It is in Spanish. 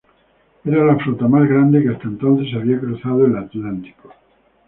Era la flota más grande que hasta entonces había cruzado el Atlántico.